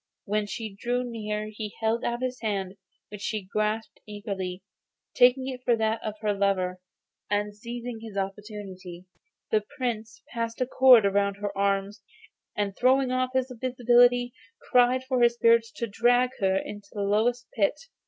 When she drew near he held out his hand, which she grasped eagerly, taking it for that of her lover; and, seizing his opportunity, the Prince passed a cord round her arms, and throwing off his invisibility cried to his spirits to drag her into the lowest pit.